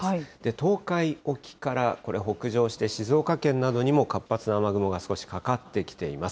東海沖からこれ北上して、静岡県などにも活発な雨雲が少しかかってきています。